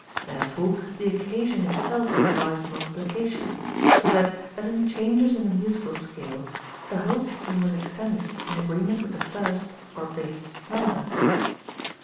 Therefore the occasion itself advised multiplication ; so that, as in changes in the musical scale, the whole scheme was extended in agreement with the first (or base) number.